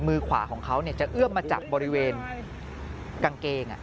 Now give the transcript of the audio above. มือขวาของเขาจะเอื้อมมาจากบริเวณกางเกง